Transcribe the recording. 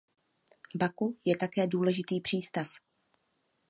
Baku je také důležitý přístav.